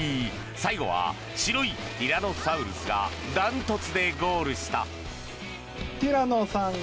最後は白いティラノサウルスが断トツでゴールした。